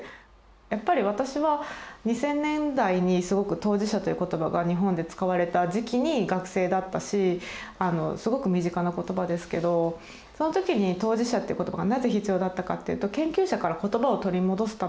やっぱり私は２０００年代にすごく「当事者」という言葉が日本で使われた時期に学生だったしすごく身近な言葉ですけどそのときに当事者っていう言葉がなぜ必要だったかっていうと研究者から言葉を取り戻すためだったんですね。